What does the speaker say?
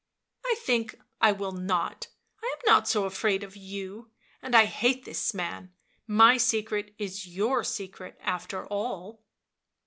77 " I think I will not; I am not so afraid of you, and I hate this man — my secret is your secret after all.